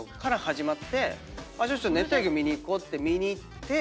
熱帯魚見に行こうって見に行って。